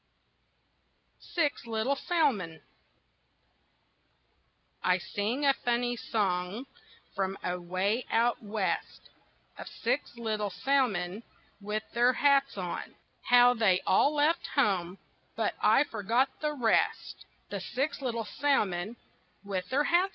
SIX LITTLE SALMON I sing a funny song from away out west, Of six little salmon with their hats on; How they all left home but I forget the rest The six little salmon with their hats on.